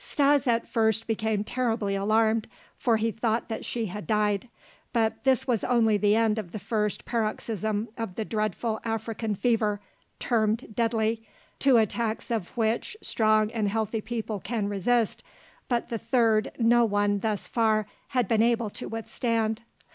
Stas at first became terribly alarmed for he thought that she had died. But this was only the end of the first paroxysm of the dreadful African fever, termed deadly, two attacks of which strong and healthy people can resist, but the third no one thus far had been able to withstand.